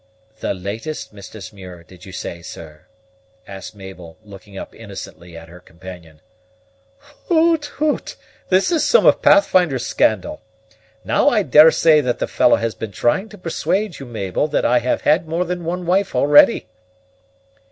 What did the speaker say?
"The latest Mrs. Muir, did you say, sir?" asked Mabel, looking up innocently at her companion. "Hoot, hoot! That is some of Pathfinder's scandal. Now I daresay that the fellow has been trying to persuade you, Mabel, that I have had more than one wife already."